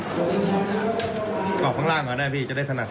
ประกอบข้างล่างก็ได้พี่จะได้สนับ